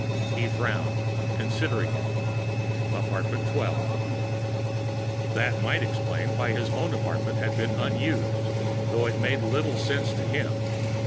He frowned, considering it. Apartment 12. That might explain why his own apartment had been unused, though it made little sense to him.